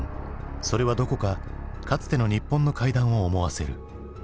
それはどこかかつての日本の怪談を思わせる。